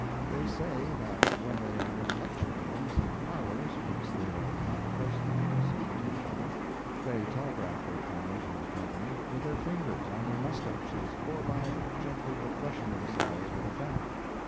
They say that when they are in lecture rooms and parlors whence they are not close enough to speak to each other, they telegraph their comment on the company with their fingers, on their moustaches, or by gently refreshing themselves with a fan.